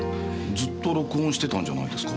ずっと録音してたんじゃないですか？